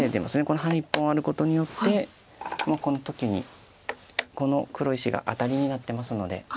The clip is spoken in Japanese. このハネ１本あることによってこの時にこの黒石がアタリになってますので。